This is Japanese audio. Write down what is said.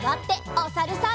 おさるさん。